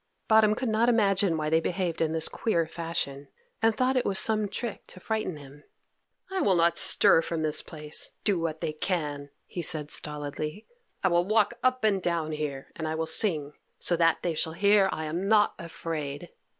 Bottom could not imagine why they behaved in this queer fashion, and thought it was some trick to frighten him. "I will not stir from this place, do what they can," he said stolidly. "I will walk up and down here, and I will sing, so that they shall hear I am not afraid."